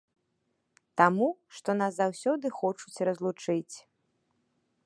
Таму што нас заўсёды хочуць разлучыць.